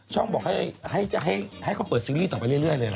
บอกให้เขาเปิดซีรีส์ต่อไปเรื่อยเลยนะ